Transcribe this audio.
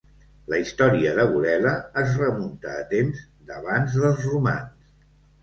La història de Burela es remunta a temps d'abans dels romans.